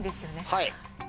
はい。